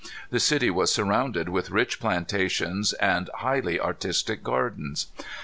The city was surrounded with rich plantations and highly artistic gardens.